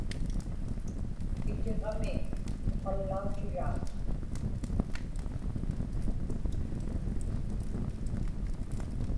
Itiġami uqallautiraa